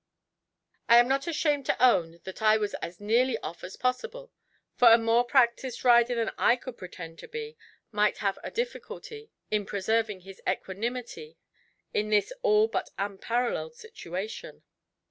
I am not ashamed to own that I was as nearly off as possible; for a more practised rider than I could pretend to be might have a difficulty in preserving his equanimity in this all but unparalleled situation.